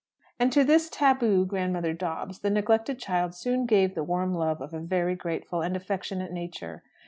And to this taboo Grandmother Dobbs the neglected child soon gave the warm love of a very grateful and affectionate nature.